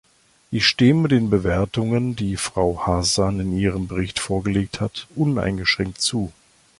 Ich stimme den Bewertungen, die Frau Hazan in ihrem Bericht vorgelegt hat, uneingeschränkt zu.